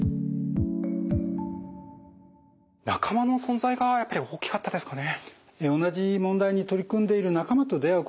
仲間の存在がやっぱり大きかったですかね？